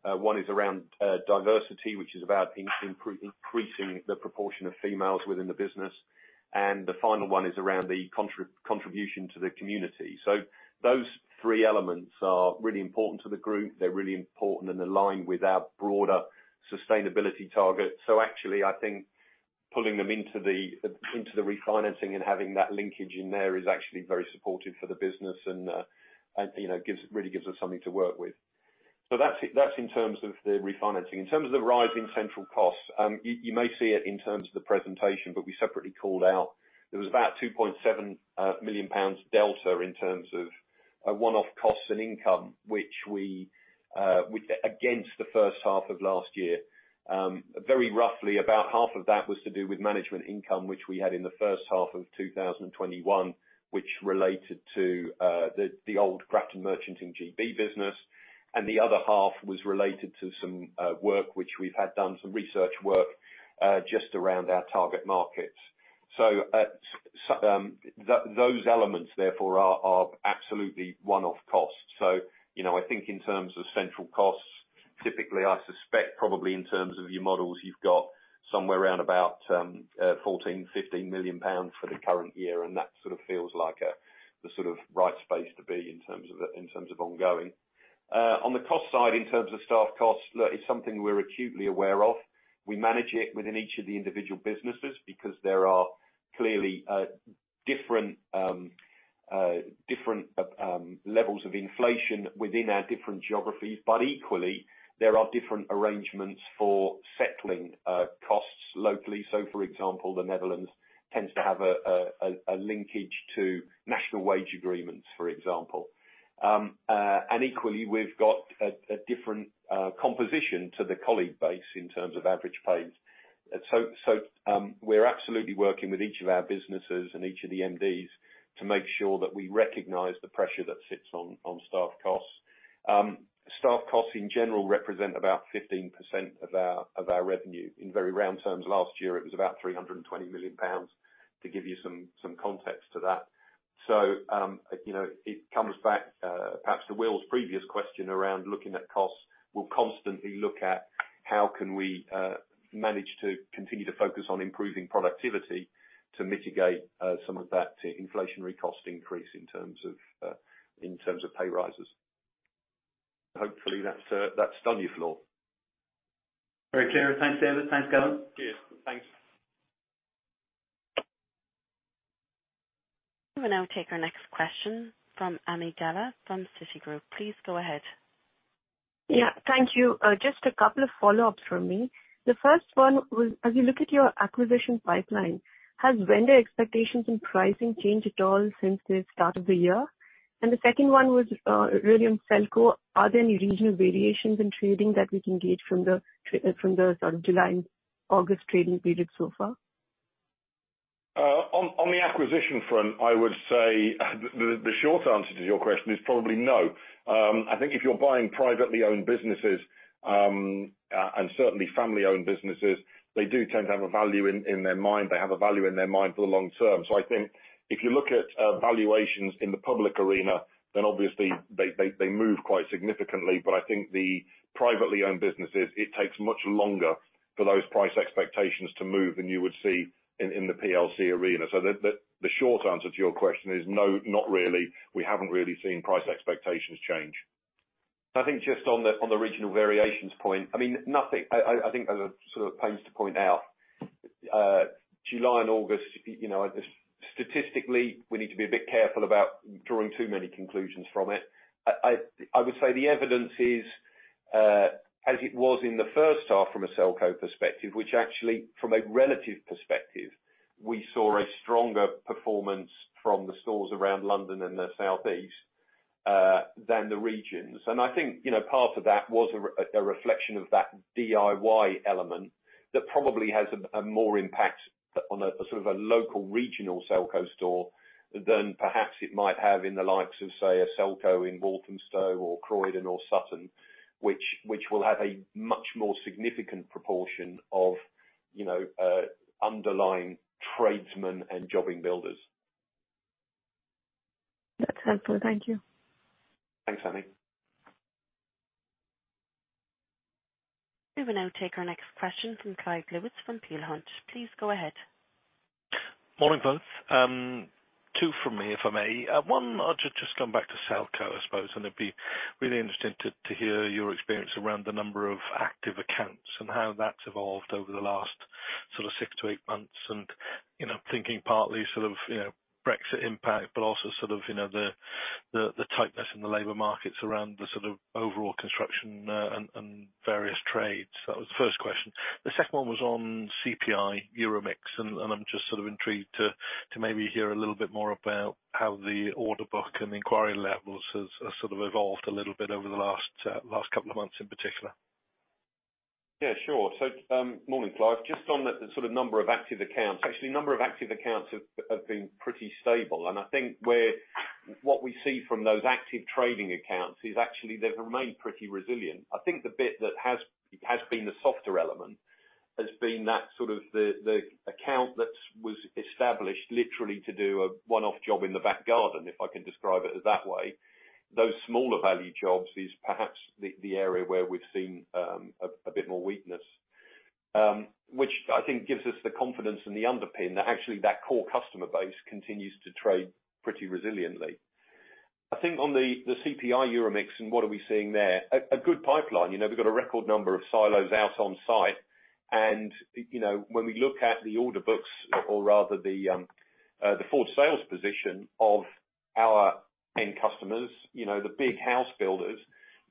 S2: One is around diversity, which is about increasing the proportion of females within the business. The final one is around the contribution to the community. Those three elements are really important to the group. They're really important and align with our broader sustainability target. Actually, I think pulling them into the refinancing and having that linkage in there is actually very supportive for the business and, you know, gives us something to work with. That's in terms of the refinancing. In terms of the rise in central costs, you may see it in terms of the presentation, but we separately called out there was about 2.7 million pounds delta in terms of one-off costs and income, which we against the first half of last year. Very roughly about half of that was to do with management income, which we had in the first half of 2021, which related to the old Grafton Merchanting GB business. The other half was related to some work which we've had done, some research work, just around our target markets. Those elements therefore are absolutely one-off costs. You know, I think in terms of central costs, typically, I suspect probably in terms of your models, you've got somewhere around about 14 million-15 million pounds for the current year, and that sort of feels like the sort of right space to be in terms of ongoing. On the cost side, in terms of staff costs, look, it's something we're acutely aware of. We manage it within each of the individual businesses because there are clearly different levels of inflation within our different geographies. Equally, there are different arrangements for settling costs locally. For example, the Netherlands tends to have a linkage to national wage agreements, for example. Equally, we've got a different composition to the colleague base in terms of average pays. We're absolutely working with each of our businesses and each of the MDs to make sure that we recognize the pressure that sits on staff costs. Staff costs in general represent about 15% of our revenue. In very round terms, last year, it was about 320 million pounds to give you some context to that. You know, it comes back, perhaps to Will's previous question around looking at costs. We'll constantly look at how can we manage to continue to focus on improving productivity to mitigate some of that inflationary cost increase in terms of pay raises. Hopefully that's done you, Flo.
S7: Very clear. Thanks, David. Thanks, Gavin. Cheers.
S1: Thanks.
S3: We will now take our next question from Ami Galla from Citigroup. Please go ahead.
S8: Yeah, thank you. Just a couple of follow-ups from me. The first one was, as you look at your acquisition pipeline, has vendor expectations and pricing changed at all since the start of the year? The second one was, really on Selco. Are there any regional variations in trading that we can gauge from the sort of July and August trading period so far?
S2: On the acquisition front, I would say the short answer to your question is probably no. I think if you're buying privately owned businesses, and certainly family-owned businesses, they do tend to have a value in their mind. They have a value in their mind for the long term. I think if you look at valuations in the public arena, then obviously they move quite significantly. I think the privately owned businesses, it takes much longer for those price expectations to move than you would see in the PLC arena. The short answer to your question is no, not really. We haven't really seen price expectations change. I think just on the regional variations point, I mean, nothing, I think as I sort of pains to point out, July and August, you know, statistically we need to be a bit careful about drawing too many conclusions from it. I would say the evidence is as it was in the first half from a Selco perspective, which actually from a relative perspective, we saw a stronger performance from the stores around London and the Southeast than the regions. I think, you know, part of that was a reflection of that DIY element that probably has a more impact on a sort of local regional Selco store than perhaps it might have in the likes of, say, a Selco in Walthamstow or Croydon or Sutton, which will have a much more significant proportion of, you know, underlying tradesmen and jobbing builders.
S8: That's helpful. Thank you.
S2: Thanks, Ami.
S3: We will now take our next question from Clyde Lewis from Peel Hunt. Please go ahead.
S9: Morning, folks. Two from me, if I may. One, I'll just come back to Selco, I suppose, and it'd be really interesting to hear your experience around the number of active accounts and how that's evolved over the last sort of 6-8 months. You know, thinking partly sort of, you know, Brexit impact, but also sort of, you know, the tightness in the labor markets around the sort of overall construction and various trades. That was the first question. The second one was on CPI Euromix, and I'm just sort of intrigued to maybe hear a little bit more about how the order book and the inquiry levels has sort of evolved a little bit over the last couple of months in particular.
S2: Yeah, sure. Morning, Clyde. Just on the sort of number of active accounts. Actually, number of active accounts have been pretty stable, and I think what we see from those active trading accounts is actually they've remained pretty resilient. I think the bit that has been the softer element has been that sort of the account that was established literally to do a one-off job in the back garden, if I can describe it that way. Those smaller value jobs is perhaps the area where we've seen a bit more weakness, which I think gives us the confidence and the underpin that actually that core customer base continues to trade pretty resiliently. I think on the CPI Euromix and what are we seeing there, a good pipeline. You know, we've got a record number of silos out on site, and you know, when we look at the order books or rather the forward sales position of our end customers, you know, the big house builders,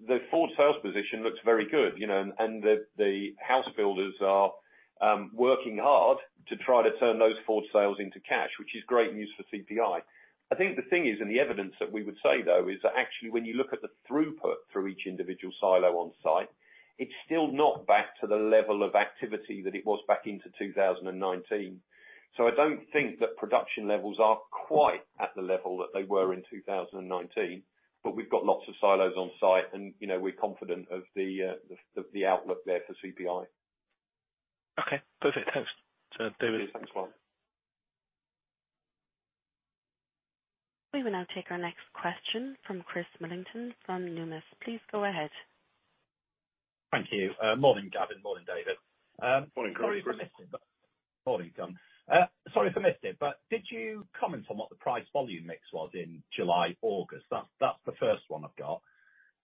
S2: the forward sales position looks very good, you know, and the house builders are working hard to try to turn those forward sales into cash, which is great news for CPI. I think the thing is, the evidence that we would say, though, is that actually, when you look at the throughput through each individual silo on site, it's still not back to the level of activity that it was back in 2019. I don't think that production levels are quite at the level that they were in 2019, but we've got lots of silos on site and, you know, we're confident of the outlook there for CPI.
S9: Okay. Perfect. Thanks, David.
S2: Thanks, Clyde.
S3: We will now take our next question from Chris Millington from Numis. Please go ahead.
S10: Thank you. Morning, Gavin. Morning, David.
S2: Morning, Chris.
S10: Sorry if I missed it, but morning, John. Sorry if I missed it, but did you comment on what the price volume mix was in July, August? That's the first one I've got.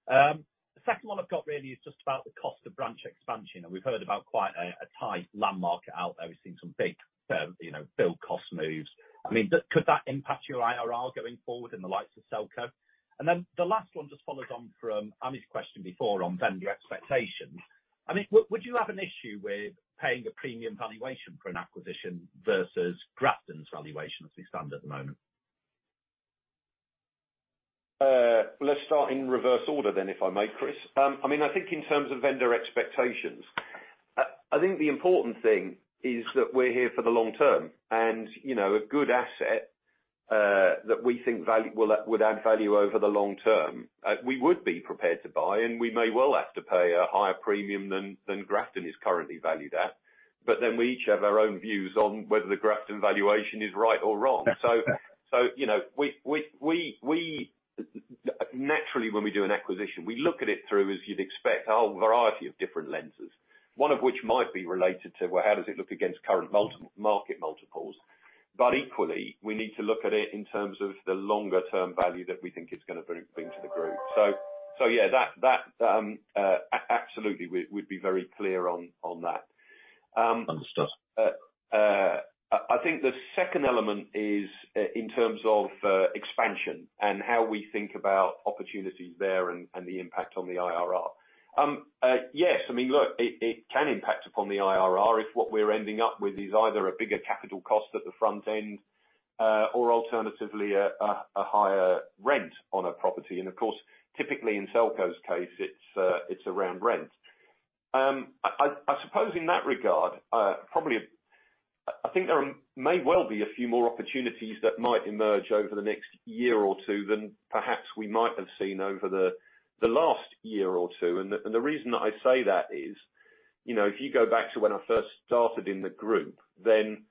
S10: The second one I've got really is just about the cost of branch expansion, and we've heard about quite a tight land market out there. We've seen some big, you know, build cost moves. I mean, could that impact your IRR going forward in the likes of Selco? And then the last one just follows on from Ami's question before on vendor expectations. I mean, would you have an issue with paying a premium valuation for an acquisition versus Grafton's valuation as we stand at the moment?
S2: Let's start in reverse order then, if I may, Chris. I mean, I think in terms of vendor expectations, I think the important thing is that we're here for the long term and, you know, a good asset that we think will add value over the long term, we would be prepared to buy, and we may well have to pay a higher premium than Grafton is currently valued at. We each have our own views on whether the Grafton valuation is right or wrong. You know, we naturally, when we do an acquisition, we look at it through, as you'd expect, a whole variety of different lenses, one of which might be related to, well, how does it look against current multi-market multiples? Equally, we need to look at it in terms of the longer-term value that we think it's gonna bring to the Group. So yeah, that absolutely, we'd be very clear on that.
S10: Understood.
S2: I think the second element is in terms of expansion and how we think about opportunities there and the impact on the IRR. Yes. I mean, look, it can impact upon the IRR if what we're ending up with is either a bigger capital cost at the front end or alternatively a higher rent on a property. Of course, typically in Selco's case, it's around rent. I suppose in that regard, probably, I think there may well be a few more opportunities that might emerge over the next year or two than perhaps we might have seen over the last year or two. The reason I say that is, you know, if you go back to when I first started in the group, then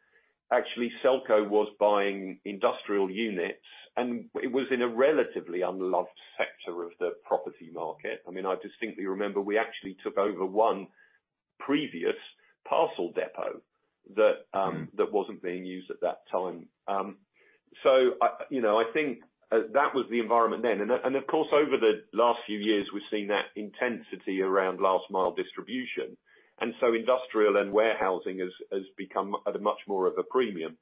S2: actually Selco was buying industrial units, and it was in a relatively unloved sector of the property market. I mean, I distinctly remember we actually took over one previous parcel depot that...
S10: Mm.
S2: That wasn't being used at that time. I, you know, I think that was the environment then. Of course, over the last few years, we've seen that intensity around last mile distribution. Industrial and warehousing has become at a much more of a premium.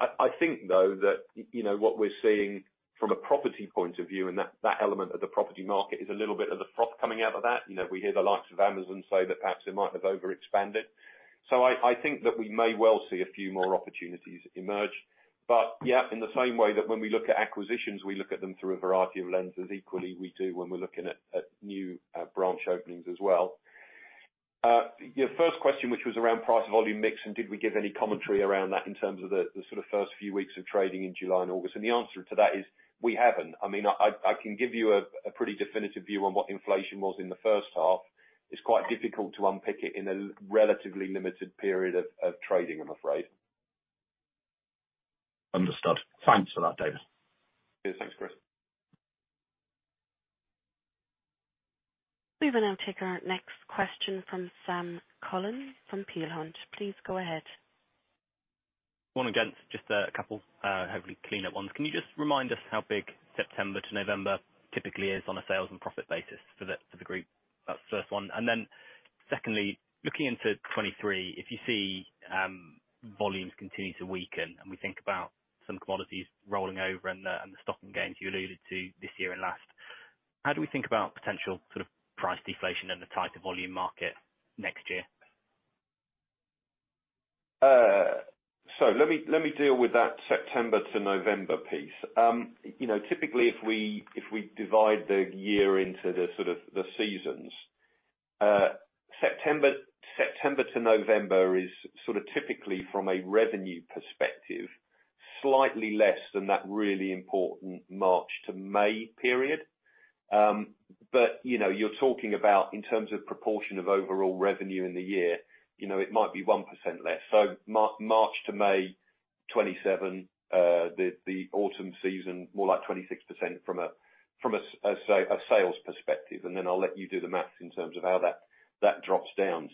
S2: I think, though, that you know, what we're seeing from a property point of view, and that element of the property market, is a little bit of the froth coming out of that. You know, we hear the likes of Amazon say that perhaps they might have overexpanded. I think that we may well see a few more opportunities emerge. Yeah, in the same way that when we look at acquisitions, we look at them through a variety of lenses, equally, we do when we're looking at new branch openings as well. Your first question, which was around price volume mix and did we give any commentary around that in terms of the sort of first few weeks of trading in July and August, and the answer to that is we haven't. I mean, I can give you a pretty definitive view on what inflation was in the first half. It's quite difficult to unpick it in a relatively limited period of trading, I'm afraid.
S10: Understood. Thanks for that, David.
S2: Yeah, thanks, Chris.
S3: We will now take our next question from Sam Cullen from Peel Hunt. Please go ahead.
S11: Once again, just a couple, hopefully cleanup ones. Can you just remind us how big September to November typically is on a sales and profit basis for the group? That's the first one. Then secondly, looking into 2023, if you see volumes continue to weaken, and we think about some commodities rolling over and the stocking gains you alluded to this year and last, how do we think about potential sort of price deflation in the tighter volume market next year?
S2: Let me deal with that September to November piece. You know, typically, if we divide the year into the sort of seasons, September to November is sort of typically from a revenue perspective, slightly less than that really important March to May period. You know, you're talking about in terms of proportion of overall revenue in the year, you know, it might be 1% less. March to May, 27%. The autumn season, more like 26% from a sales perspective, and then I'll let you do the math in terms of how that drops down.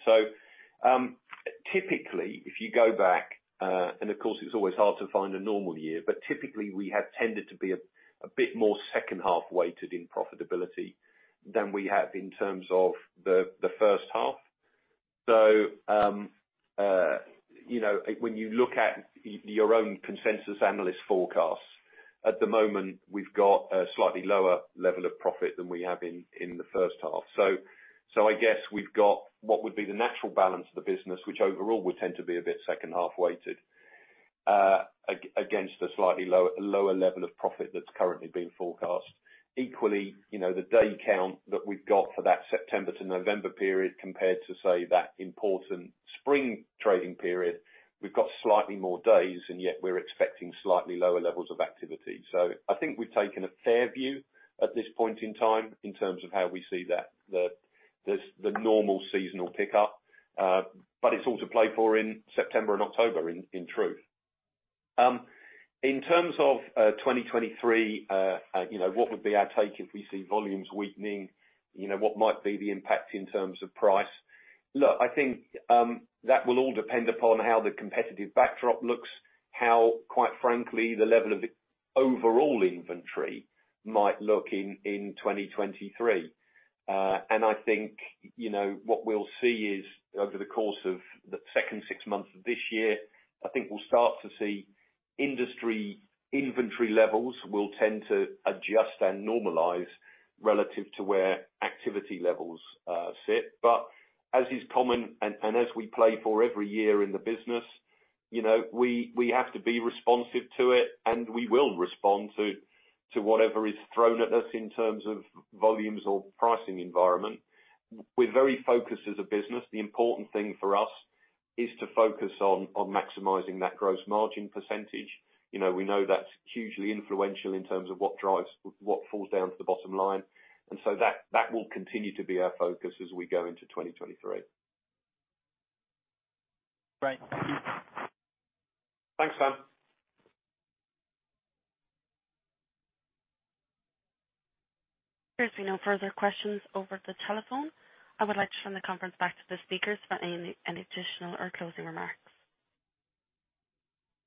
S2: Typically, if you go back, and of course it's always hard to find a normal year, but typically we have tended to be a bit more second half weighted in profitability than we have in terms of the first half. You know, when you look at your own consensus analyst forecasts, at the moment, we've got a slightly lower level of profit than we have in the first half. I guess we've got what would be the natural balance of the business, which overall would tend to be a bit second half weighted against a slightly lower level of profit that's currently being forecast. Equally, you know, the day count that we've got for that September to November period compared to, say, that important spring trading period, we've got slightly more days, and yet we're expecting slightly lower levels of activity. I think we've taken a fair view at this point in time in terms of how we see that, the normal seasonal pickup. It's all to play for in September and October in truth. In terms of 2023, you know, what would be our take if we see volumes weakening? You know, what might be the impact in terms of price? Look, I think that will all depend upon how the competitive backdrop looks, how, quite frankly, the level of the overall inventory might look in 2023. I think, you know, what we'll see is over the course of the second six months of this year, I think we'll start to see industry inventory levels will tend to adjust and normalize relative to where activity levels sit. But as is common and as we plan for every year in the business, you know, we have to be responsive to it, and we will respond to whatever is thrown at us in terms of volumes or pricing environment. We're very focused as a business. The important thing for us is to focus on maximizing that gross margin percentage. You know, we know that's hugely influential in terms of what drives, what falls down to the bottom line. That will continue to be our focus as we go into 2023.
S11: Great. Thank you.
S2: Thanks, Sam.
S3: There seem no further questions over the telephone. I would like to turn the conference back to the speakers for any additional or closing remarks.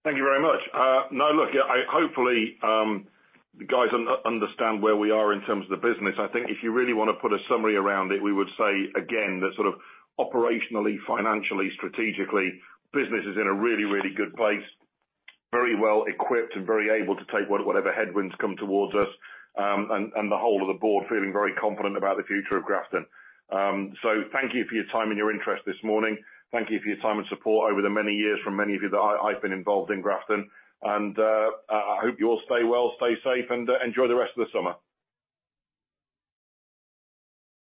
S1: Thank you very much. Now look, hopefully you guys understand where we are in terms of the business. I think if you really wanna put a summary around it, we would say again, that sort of operationally, financially, strategically, business is in a really, really good place, very well equipped and very able to take whatever headwinds come towards us, and the whole of the board feeling very confident about the future of Grafton. Thank you for your time and your interest this morning. Thank you for your time and support over the many years from many of you that I've been involved in Grafton. I hope you all stay well, stay safe, and enjoy the rest of the summer.